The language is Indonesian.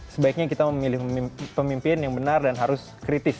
sebaiknya kita memilih pemimpin yang benar dan harus kritis